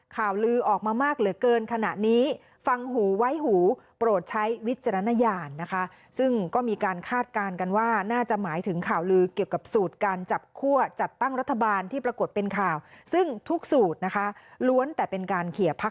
ข่าวลือออกมามากเหลือเกินขณะนี้ฟังหูไว้หูโปรดใช้วิจารณญาณนะคะ